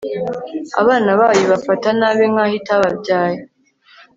abana bayo ibafata nabi, nk'aho itababyaye